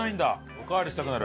おかわりしたくなる？